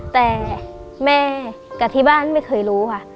แต่แม่กับที่บ้านไม่เคยรู้ค่ะ